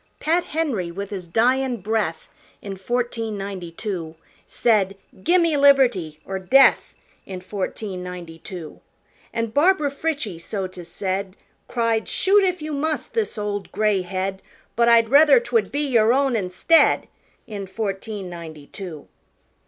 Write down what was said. Pat Henry, with his dyin' breath In fourteen ninety two Said, "Gimme liberty or death!" In fourteen ninety two. An' Barbara Frietchie, so 'tis said, Cried, "Shoot if you must this old, gray head, But I'd rather 'twould be your own instead!" In fourteen ninety two.